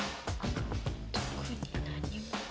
特に何も。